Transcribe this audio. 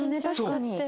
確かに。